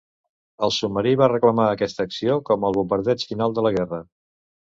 El submarí va reclamar aquesta acció com el bombardeig final de la guerra.